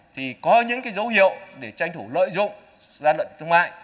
thì có những dấu hiệu để tranh thủ lợi dụng giai đoạn thương mại